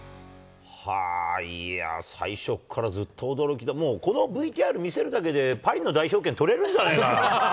いやー、最初からずっと驚きで、もうこのＶＴＲ見せるだけで、パリの代表権取れるんじゃないかな。